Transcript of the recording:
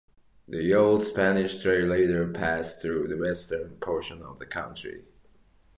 The Old Spanish Trail later passed through the western portion of the County.